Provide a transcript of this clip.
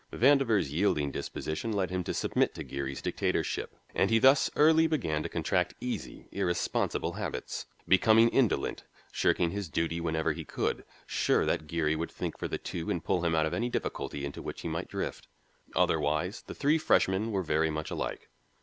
Vandover's yielding disposition led him to submit to Geary's dictatorship and he thus early began to contract easy, irresponsible habits, becoming indolent, shirking his duty whenever he could, sure that Geary would think for the two and pull him out of any difficulty into which he might drift. Otherwise the three freshmen were very much alike.